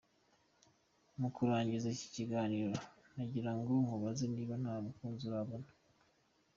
Mu kurangiza iki kiganiro nagira ngo nkubaze niba nta mukunzi urabona.